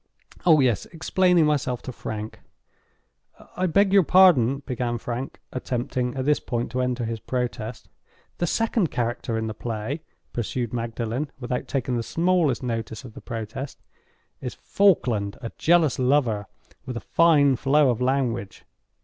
Oh yes! explaining myself to Frank—" "I beg your pardon," began Frank, attempting, at this point, to enter his protest. "The second character in the play," pursued Magdalen, without taking the smallest notice of the protest, "is Falkland—a jealous lover, with a fine flow of language.